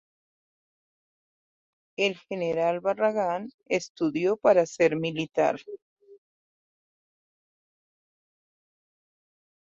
El general Barragán estudió para ser militar.